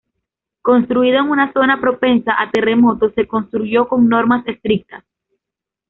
Construido en una zona propensa a terremotos se construyó con normas estrictas.